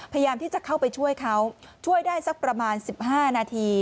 พยายามที่จะเข้าไปช่วยเขาช่วยได้สักประมาณ๑๕นาที